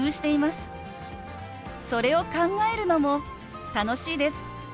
それを考えるのも楽しいです。